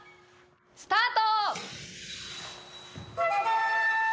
スタート！